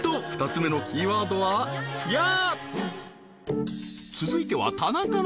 ２つ目のキーワードは「ヤ」］